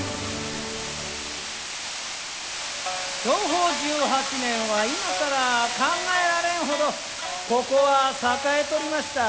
享保十八年は今からは考えられんほどここは栄えとりました。